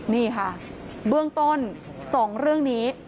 นี่ค่ะเบื้องต้น๒เรื่องนี้